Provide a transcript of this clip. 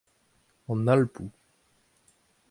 An Alpoù.